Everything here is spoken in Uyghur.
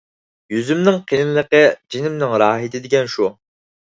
«يۈزۈمنىڭ قېلىنلىقى جېنىمنىڭ راھىتى» دېگەن شۇ.